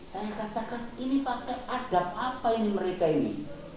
saya katakan ini pakai adab apa ini mereka ini